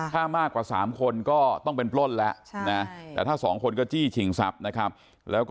ถ้ามากกว่าสามคนก็ต้องเป็นปล้นแล้ว